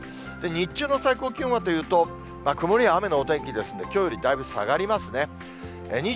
日中の最高気温はというと、曇りや雨のお天気ですので、きょうよりだいぶ下がりますね。